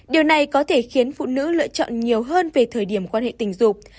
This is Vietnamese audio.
điều này có thể khiến phụ nữ lựa chọn nhiều hơn về thời điểm quan hệ tình dục